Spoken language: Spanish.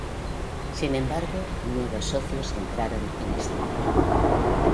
Sin embargo, nuevos socios entraron en escena.